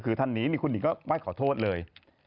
คือท่านนี้นี่คุณหญิงก็ไม่ขอโทษเลย